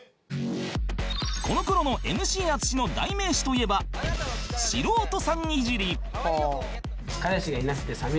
この頃の ＭＣ 淳の代名詞といえば素人さんいじり